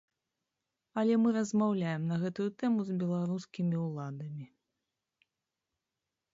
Але мы размаўляем на гэтую тэму з беларускімі ўладамі.